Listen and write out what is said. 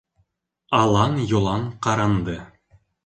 Алан-йолан ҡаранды.